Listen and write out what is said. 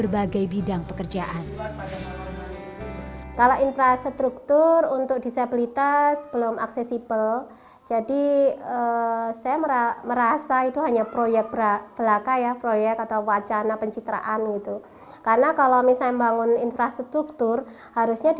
bagi anggota disabilitas yang menginap di rumahnya